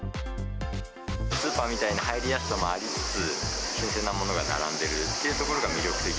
スーパーみたいな入りやすさもありつつ、新鮮なものが並んでるというところが魅力的。